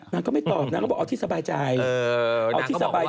นางก็รอดที่สบายใจ